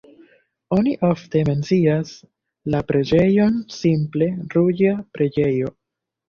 Oni ofte mencias la preĝejon simple "ruĝa preĝejo".